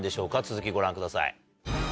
続きご覧ください。